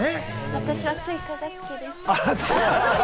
私はスイカが好きです。